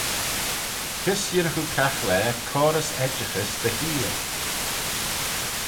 Kys yinnagh oo caghlaa coarys edjaghys dty heer?